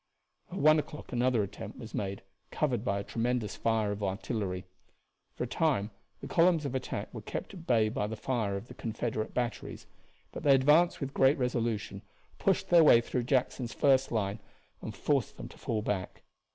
At one o'clock another attempt was made, covered by a tremendous fire of artillery. For a time the columns of attack were kept at bay by the fire of the Confederate batteries, but they advanced with great resolution, pushed their way through Jackson's first line, and forced them to fall back.